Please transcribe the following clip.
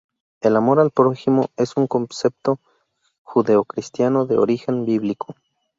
El amor al prójimo es un concepto judeocristiano de origen bíblico.